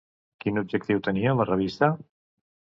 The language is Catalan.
Quin objectiu tenia la revista?